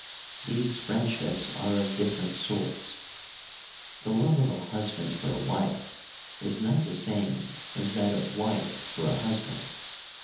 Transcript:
These friendships are of different sorts : the love of a husband for a wife is not the same as that of wife for a husband.